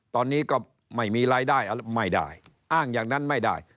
ตอนนี้ก็ไม่มีรายได้ไม่ได้อ้างอย่างนั้นไม่ได้